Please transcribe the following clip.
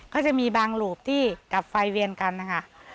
ก็จะมีบางรูปที่ดับไฟเวียนกันนะคะ